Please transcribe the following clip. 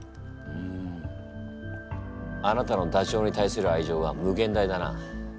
あなたのダチョウに対する愛情は無限大だな。